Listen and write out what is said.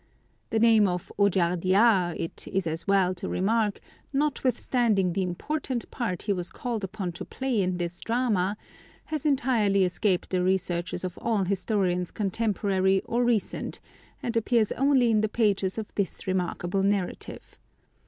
The name of Ojardias, it is as well to remark, notwithstanding the important part he was called upon to play in this drama, has entirely escaped the researches of all historians contemporary or recent, and appears only in the pages of this remarkable narrative.